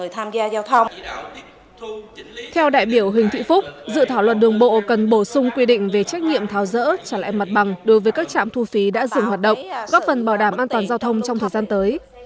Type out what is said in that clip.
theo đại biểu huỳnh thị phúc dự thảo luật đường bộ cần bổ sung quy định về trách nhiệm tháo rỡ trả lại mặt bằng đối với các trạm thu phí đã dừng hoạt động góp phần bảo đảm an toàn giao thông trong thời gian tới